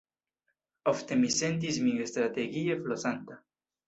Ofte mi sentis min strategie flosanta.